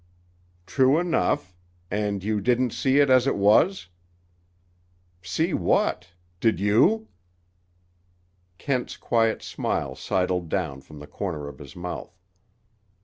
"True enough. And you didn't see it as it was?" "See what? Did you?" Kent's quiet smile sidled down from the corner of his mouth.